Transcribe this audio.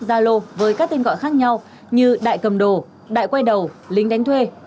zalo với các tên gọi khác nhau như đại cầm đồ đại quay đầu lính đánh thuê